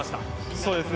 そうですね。